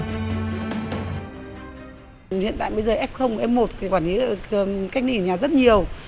hiện tại bây giờ f f một thì quản lý cách ly ở nhà rất nhiều